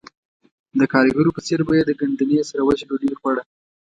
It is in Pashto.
د ګاریګرو په څېر به یې د ګندنې سره وچه ډوډۍ خوړه